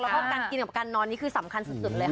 แล้วก็การกินกับการนอนนี่คือสำคัญสุดเลยค่ะ